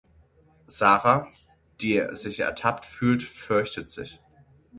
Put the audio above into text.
Sarah, die sich ertappt fühlt, fürchtet sich.